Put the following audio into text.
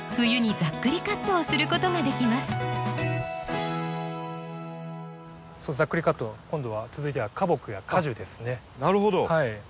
ざっくりカット今度は続いては花木や果樹ですね。